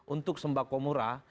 untuk sembah komura